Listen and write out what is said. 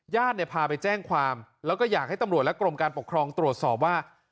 พาไปแจ้งความแล้วก็อยากให้ตำรวจและกรมการปกครองตรวจสอบว่า